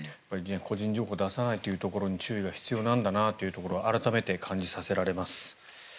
個人情報を出さないというところに注意が必要なんだなというのを改めて感じさせられます。